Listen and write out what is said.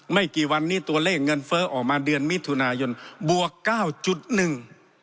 ไม่กี่วันนี้ตัวเลขเงินเฟ้อออกมาเดือนมิถุนายนบวกเก้าจุดหนึ่ง